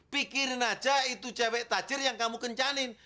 pikirin aja itu cewek tajir yang kamu kencanin